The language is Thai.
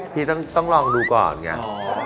พี่ต้องลองดูก่อนไง